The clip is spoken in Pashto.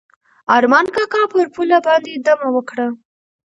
ارمان کاکا پر پوله باندې دمه وکړه.